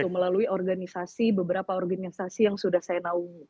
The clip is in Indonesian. melalui organisasi beberapa organisasi yang sudah saya naungi